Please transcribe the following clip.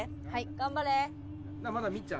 頑張れ！